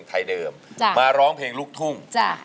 ไทยเดิมมาร้องเพลงลูกทุ่ง